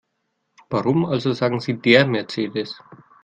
Warum also sagen Sie DER Mercedes?